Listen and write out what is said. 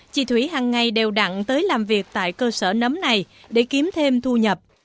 chị thủy hằng ngày đều đặn tới làm việc tại cơ sở nấm này để kiếm thêm thu nhập